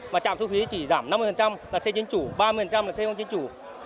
mà trạm thu phí chỉ giảm năm mươi là xe chính chủ ba mươi là xe không chính chủ